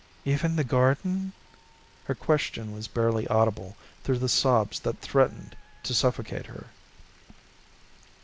"Even the garden?" Her question was barely audible through the sobs that threatened to suffocate her.